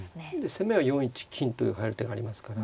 攻めは４一金という入る手がありますから。